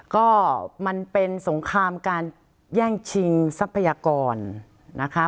ก็มันเป็นสงครามการแย่งชิงทรัพยากรนะคะ